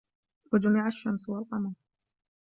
وَجُمِعَ الشَّمسُ وَالقَمَرُ